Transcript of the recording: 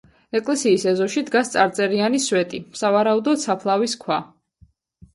ეკლესიის ეზოში დგას წარწერიანი სვეტი, სავარაუდოდ საფლავის ქვა.